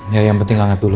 ya yang penting anget dulu